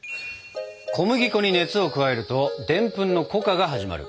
小麦粉に熱を加えるとでんぷんの糊化が始まる。